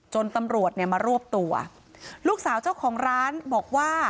ตำรวจเนี่ยมารวบตัวลูกสาวเจ้าของร้านบอกว่า